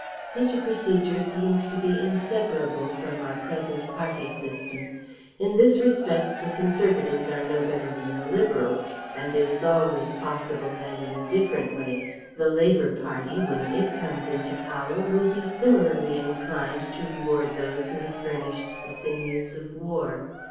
[Such a procedure seems to be inseparable from our present Party system. In this respect the Conservatives are no better than the Liberals; and it is always possible that in a different way the Labour Party when It comes into power will be similarly inclined to reward those who have furnished the sinews of war.